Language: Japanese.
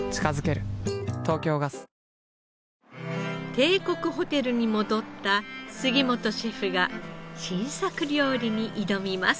帝国ホテルに戻った杉本シェフが新作料理に挑みます。